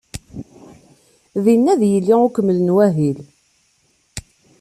Din ad d-yili ukemmel n wahil.